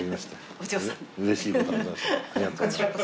嬉しいありがとうございます。